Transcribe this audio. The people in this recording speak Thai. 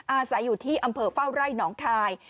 อาศัยอยู่ที่อำเภอเฝ้าไร่หนองคาย